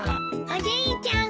おじいちゃん